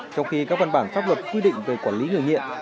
trong khi các văn bản pháp luật quy định về quản lý người nghiện